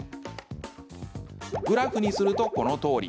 グラフにすると、このとおり。